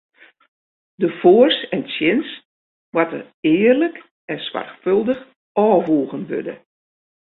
De foars en tsjins moatte earlik en soarchfâldich ôfwoegen wurde.